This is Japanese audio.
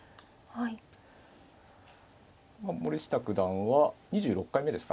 森下九段は２６回目ですか今回。